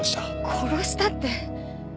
殺したって。